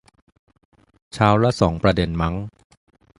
เช้าละสองประเด็นมั้ง